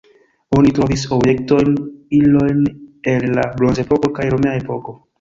Oni trovis objektojn, ilojn el la bronzepoko kaj romia epoko.